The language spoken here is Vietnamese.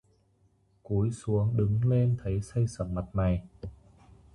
Cúi xuống đứng lên thấy xây xẩm mặt mày